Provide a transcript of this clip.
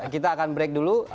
kita akan break dulu